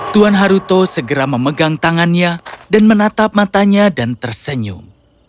tuan haruto segera memegang tangannya dan menatap matanya dan tersenyum